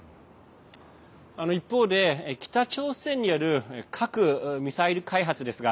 一方で、北朝鮮による核・ミサイル開発ですが